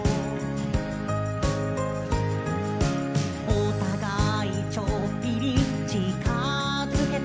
「おたがいちょっぴり近づけたら」